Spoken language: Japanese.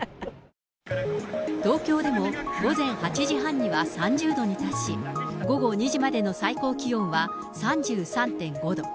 東京でも午前８時半には３０度に達し、午後２時までの最高気温は３３．５度。